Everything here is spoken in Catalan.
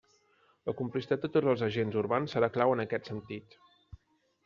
La complicitat de tots els agents urbans serà clau en aquest sentit.